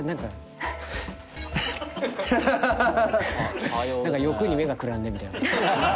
欲に目がくらんでみたいな。